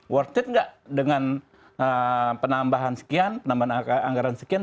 worth it nggak dengan penambahan sekian penambahan anggaran sekian